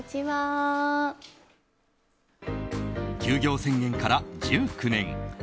休業宣言から１９年。